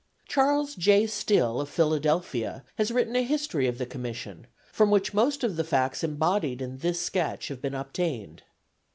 Charles J. Stille, of Philadelphia, has written a history of the Commission, from which most of the facts embodied in this sketch have been obtained.